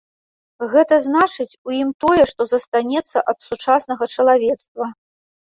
Гэта значыць, у ім тое, што застанецца ад сучаснага чалавецтва.